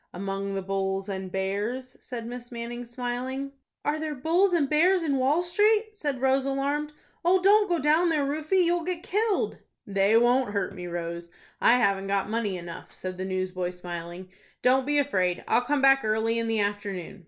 "Among the bulls and bears," said Miss Manning, smiling. "Are there bulls and bears in Wall Street?" said Rose, alarmed. "Oh, don't go down there, Rufie. You'll get killed." "They won't hurt me, Rose. I haven't got money enough," said the newsboy, smiling. "Don't be afraid. I'll come back early in the afternoon."